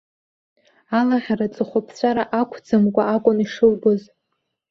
Алаӷьара ҵыхәаԥҵәара ақәӡамкәа акәын ишылбоз.